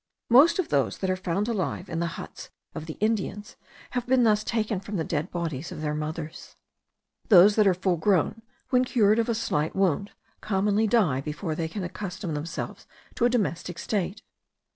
Most of those that are found alive in the huts of the Indians have been thus taken from the dead bodies of their mothers. Those that are full grown, when cured of a slight wound, commonly die before they can accustom themselves to a domestic state.